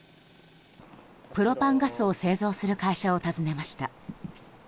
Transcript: プロパンガスを製造する会社を訪ねました。